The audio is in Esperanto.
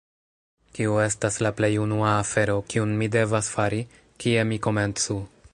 Kiu estas la plej unua afero, kiun mi devas fari? Kie mi komencu?